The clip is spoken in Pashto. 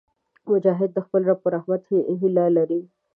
مجاهد د خپل رب په رحمت هیله لري.